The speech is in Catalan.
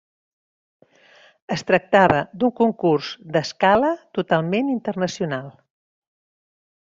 Es tractava d'un concurs d'escala totalment internacional.